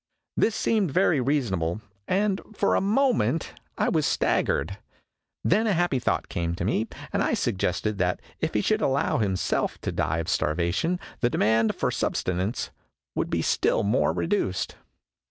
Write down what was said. This seemed very reasonable and for a moment I was stag gered. Then a happy thought came to me, and I suggested that if he should allow himself to die of starvation the demand for sub sistence would be still more reduced.